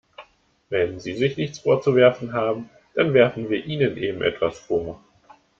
Wenn Sie sich nichts vorzuwerfen haben, dann werfen wir Ihnen eben etwas vor.